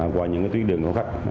qua những tuyến đường có khách